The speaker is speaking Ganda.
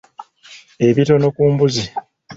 Ebitono ku mbuzi.